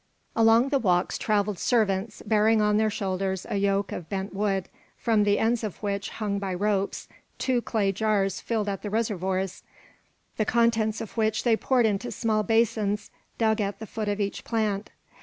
Along the walks travelled servants bearing on their shoulders a yoke of bent wood, from the ends of which hung by ropes two clay jars filled at the reservoirs, the contents of which they poured into small basins dug at the foot of each plant.